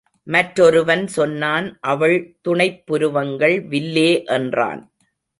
மற்றொருவன் சொன்னான் அவள் துணைப் புருவங்கள் வில்லே என்றான்.